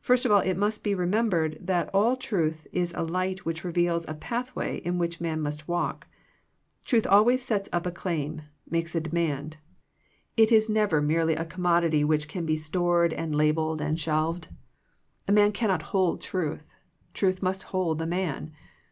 First of all it must be remembered that all truth is a light which reveals a pathway in which man must walk. Truth always sets up a claim, makes a demand. It is never merely a commodity which can be stored and labelled and 48 THE PEACTICE OF PEAYER shelved. A man cannot hold truth. Truth must hold the man.